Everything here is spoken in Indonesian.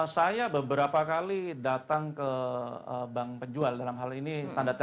saya beberapa kali datang ke bank penjual dalam hal ini standar